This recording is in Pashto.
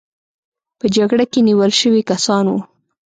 په جګړه کې نیول شوي کسان وو.